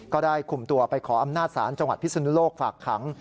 ก็ได้คุมตัวไปขออำนาจศาลจังหวัดพิศนุโลกฝากขัง